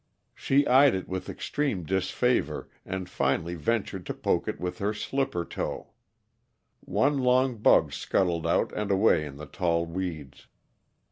She eyed it with extreme disfavor, and finally ventured to poke it with her slipper toe; one lone bug scuttled out and away in the tall weeds.